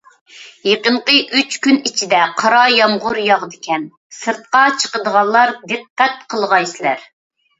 يېقىنقى ئۈچ كۈن ئىچىدە قارا يامغۇر ياغىدىكەن، سىرتقا چىقىدىغانلار دىققەت قىلغايسىلەر.